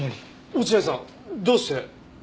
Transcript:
落合さんどうして？